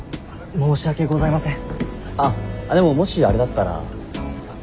申し訳ございません。